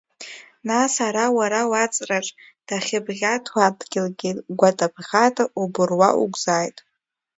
Нас ара уара уааҵраҿ дахьыбӷьаҭуа адгьылгьы гәатабӷата убыруа уқәзааит…